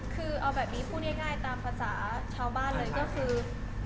คือเอาแบบนี้พูดง่ายตามภาษาชาวบ้านเลยก็คือ